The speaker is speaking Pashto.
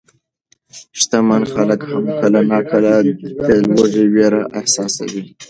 شتمن خلک هم کله ناکله د لوږې وېره احساسوي.